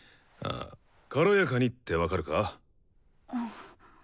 軽やかにって分かるか？